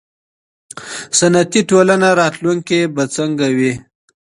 صنعتي ټولنې راتلونکی به څنګه وي.